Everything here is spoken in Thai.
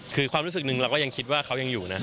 คือความรู้สึกหนึ่งเราก็ยังคิดว่าเขายังอยู่นะ